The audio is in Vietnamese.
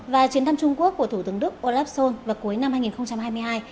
và chuyến thăm trung quốc của thủ tướng đức olaf schol vào cuối năm hai nghìn hai mươi hai